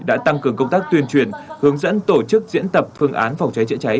đã tăng cường công tác tuyên truyền hướng dẫn tổ chức diễn tập phương án phòng cháy chữa cháy